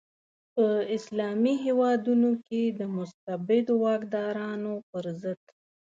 په اسلامي هیوادونو کې د مستبدو واکدارانو پر ضد.